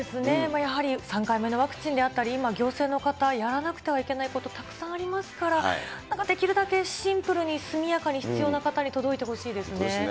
やはり３回目のワクチンであったり、今、行政の方、やらなくてはいけないこと、たくさんありますから、できるだけシンプルに速やかに必要な方に届いてほしいですね。